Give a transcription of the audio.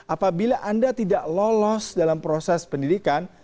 apabila anda tidak lolos dalam proses pendidikan